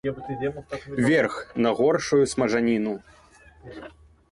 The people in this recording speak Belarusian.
Верх, на горшую смажаніну.